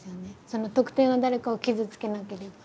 その特定の誰かを傷つけなければ。